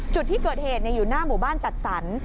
จุดที่เกิดเหตุอยู่หน้าหมู่บ้านจัดสรร